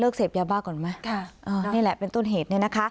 เสพยาบ้าก่อนไหมนี่แหละเป็นต้นเหตุเนี่ยนะคะ